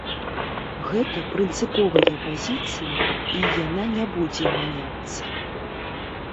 Гэта прынцыповая пазіцыя, і яна не будзе мяняцца.